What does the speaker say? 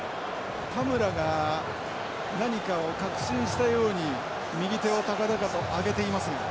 田村が何かを確信したように右手を高々と上げていますが。